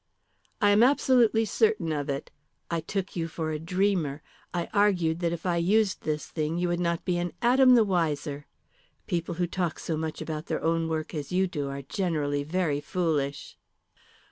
"I am absolutely certain of it. I took you for a dreamer. I argued that if I used this thing you would not be an atom the wiser. People who talk so much about their own work as you do are generally very foolish."